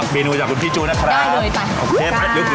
เบนูจากคุณพี่จูนะครับ